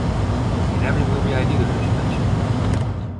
In every movie I do, there's tension.